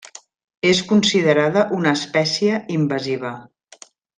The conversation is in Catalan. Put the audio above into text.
És considerada una espècie invasiva.